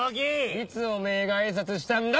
いつおめぇが挨拶したんだ